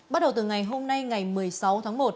bắt đầu từ ngày hôm nay ngày một mươi sáu tháng một